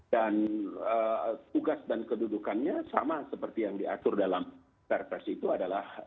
dan tugas dan kedudukannya sama seperti yang diatur dalam perpres itu adalah